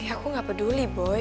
aku gak peduli boy